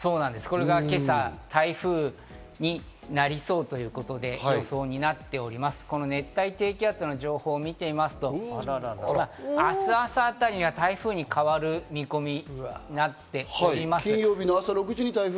これが今朝、台風になりそうということで、この熱帯低気圧の情報を見てみますと、明日朝あたりには台風に変わる見込みになっております。